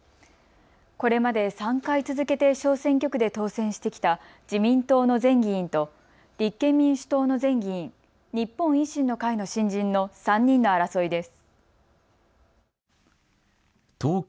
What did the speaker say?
これまで３回続けて小選挙区で当選してきた自民党の前議員と立憲民主党の前議員、日本維新の会の新人の３人の争いです。